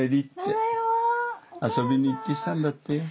遊びに行ってきたんだってよ。